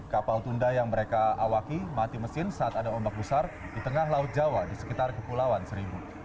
kapal tunda yang mereka awaki mati mesin saat ada ombak besar di tengah laut jawa di sekitar kepulauan seribu